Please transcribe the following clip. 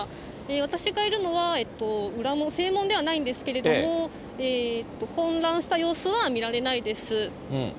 私がいるのは裏の正門ではないんですけれども、混乱した様子は見られないです。